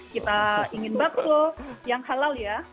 kita ingin bakso yang halal ya